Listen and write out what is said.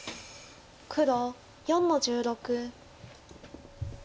黒４の十六。